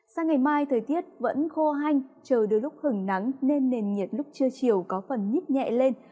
sang ngày mai thời tiết vẫn khô hanh trời đưa lúc hừng nắng nên nền nhiệt lúc trưa chiều có phần nhít nhẹ lên